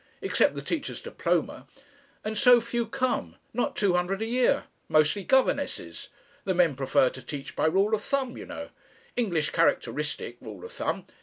Except the Teacher's Diploma. And so few come not two hundred a year. Mostly governesses. The men prefer to teach by rule of thumb, you know. English characteristic rule of thumb.